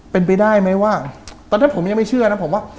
เป็นไปได้ไหมว่าตอนนั้นผมยังไม่เชื่อนะผมว่า